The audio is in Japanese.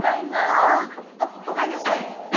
ああおかえりなさい。